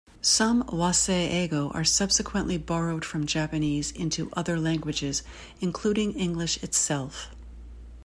Some "wasei-eigo" are subsequently borrowed from Japanese into other languages, including English itself.